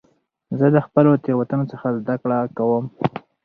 زه د خپلو تېروتنو څخه زده کړه کوم.